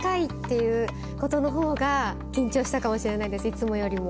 いつもよりも。